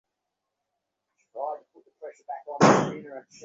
একটা-কিছু কর্ম করিবার উপলক্ষ আসিয়া উপস্থিত হওয়াতে আশার অবসাদ কতকটা লঘু হইয়া গেল।